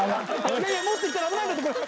いやいやもっと行ったら危ないんだってこれ。